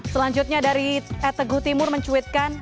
selanjutnya dari et teguh timur mencuitkan